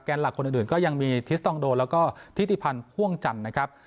หลักคนอื่นก็ยังมีทิสตองโดแล้วก็ทิติพันธ์พ่วงจันทร์นะครับ